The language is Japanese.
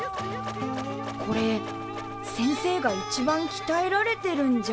これ先生がいちばんきたえられてるんじゃ。